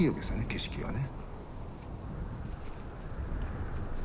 景色がね。